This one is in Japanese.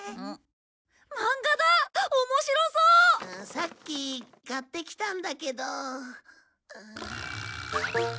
さっき買ってきたんだけど。